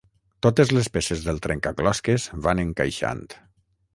Totes les peces del trencaclosques van encaixant.